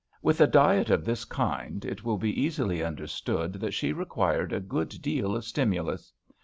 With a diet of this kind, it will be easily understood that she required a good deal of stimulus.